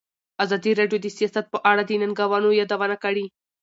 ازادي راډیو د سیاست په اړه د ننګونو یادونه کړې.